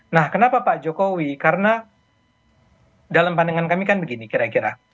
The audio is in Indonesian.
nah kenapa pak jokowi karena dalam pandangan kami kan begini kira kira